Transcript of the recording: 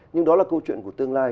nhưng đó là câu chuyện của tương lai